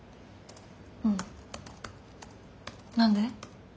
うん。何で？